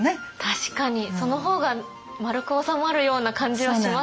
確かにその方が丸く収まるような感じはしますね。